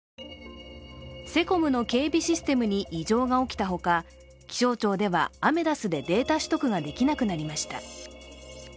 セコムの警備システムに異常が起きたほか、気象庁では、アメダスでデータ取得ができなくなりました。